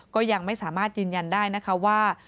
ก็ยังไม่สามารถยืนยันได้นะคะว่า